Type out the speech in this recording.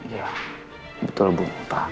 ya betul bu